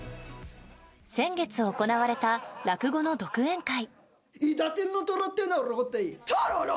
先月行われた落語の独演会。